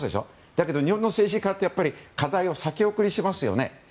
だけど日本の政治家って課題を先送りしますよね。